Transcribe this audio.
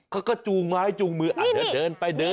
เค้าก็จูงไม้จูงมือเดินไป